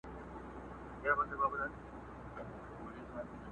کرونا؛